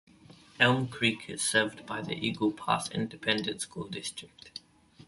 Elm Creek is served by the Eagle Pass Independent School District.